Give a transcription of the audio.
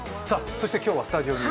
そして今日はスタジオに？